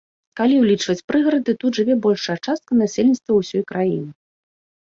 Калі ўлічваць прыгарады, тут жыве большая частка насельніцтва ўсёй краіны.